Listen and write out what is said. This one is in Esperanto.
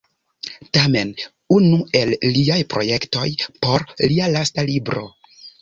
Tamen, unu el liaj projektoj por lia lasta libro.